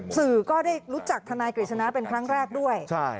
สื่อก็ได้รู้จักทนายกฤษณะเป็นครั้งแรกด้วย